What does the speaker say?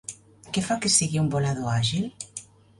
Què fa que sigui un volador àgil?